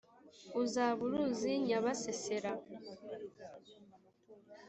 uzaba uruzi nyabasesera